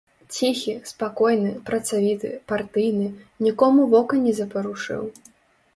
Ціхі, спакойны, працавіты, партыйны, нікому вока не запарушыў.